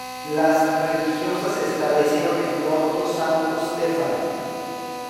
Las religiosas se establecieron en Porto Santo Stefano.